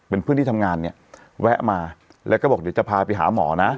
เป็นเพื่อนที่ทำงานเนี่ยแวะมาแล้วก็บอกเดี๋ยวจะพาไปหาหมอนะ